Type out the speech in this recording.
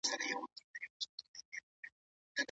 راتلونکی نسل به څه کوي؟